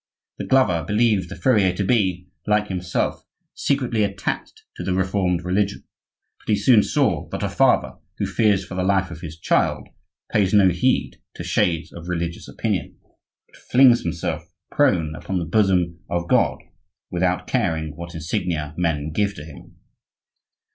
The glover believed the furrier to be, like himself, secretly attached to the Reformed religion; but he soon saw that a father who fears for the life of his child pays no heed to shades of religious opinion, but flings himself prone upon the bosom of God without caring what insignia men give to Him.